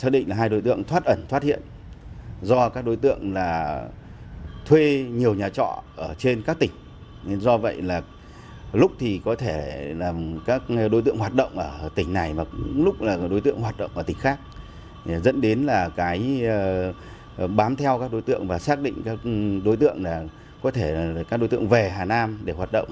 đó chính là bám theo các đối tượng và xác định các đối tượng về hà nam để hoạt động